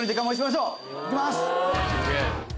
いきます。